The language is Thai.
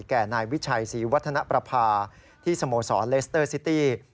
แก่นายวิชัยศรีวัฒนประพาที่สโมสรเลสเตอร์ซิตี้